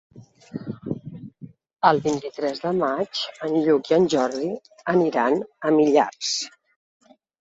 El vint-i-tres de maig en Lluc i en Jordi aniran a Millars.